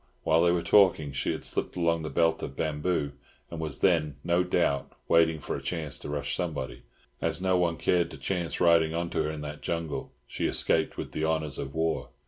While they were talking she had slipped along the belt of bamboos, and was then, no doubt, waiting for a chance to rush somebody. As no one cared to chance riding on to her in that jungle, she escaped with the honours of war.